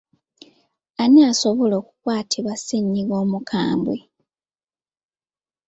Ani asobola okukwatibwa ssennyiga omukambwe?